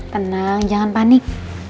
tenang jangan panik